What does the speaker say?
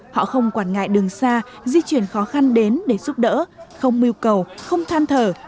họ không quản ngại đường xa di chuyển khó khăn đến để giúp đỡ không mưu cầu không than thở